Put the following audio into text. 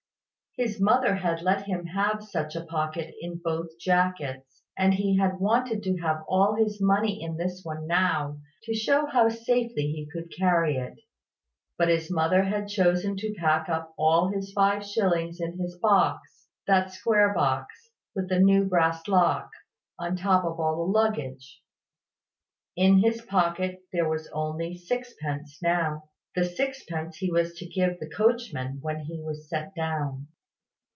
His mother had let him have such a pocket in both his jackets; and he had wanted to have all his money in this one now, to show how safely he could carry it. But his mother had chosen to pack up all his five shillings in his box, that square box, with the new brass lock, on the top of all the luggage. In his pocket there was only sixpence now, the sixpence he was to give the coachman when he was set down.